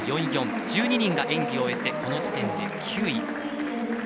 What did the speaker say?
１２人が演技を終えてこの時点で９位。